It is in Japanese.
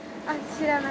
知らない。